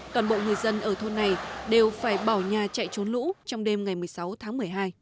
toàn bộ người dân ở thôn này đều phải bỏ nhà chạy trốn lũ trong đêm ngày một mươi sáu tháng một mươi hai